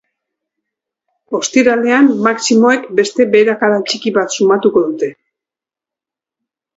Ostiralean, maximoek beste beherakada txiki bat sumatuko dute.